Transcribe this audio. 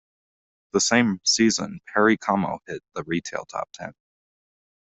The same season, Perry Como hit the retail top ten.